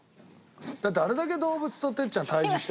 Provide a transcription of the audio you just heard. だってあれだけ動物と哲ちゃん対峙してるんだよ。